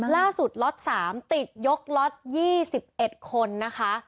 ล่าสุดล็อตสามติดยกล็อตยี่สิบเอ็ดคนนะคะ